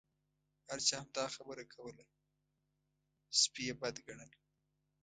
هر چا همدا خبره کوله سپي یې بد ګڼل.